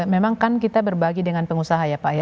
memang kan kita berbagi dengan pengusaha ya pak ya